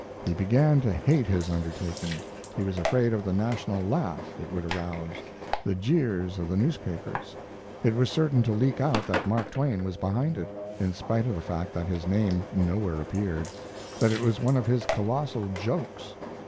He began to hate his undertaking. He was afraid of the national laugh it would arouse, the jeers of the newspapers. It was certain to leak out that Mark Twain was behind it, in spite of the fact that his name nowhere appeared; that it was one of his colossal jokes.